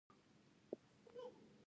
دا کار په پټه توګه ترسره شو.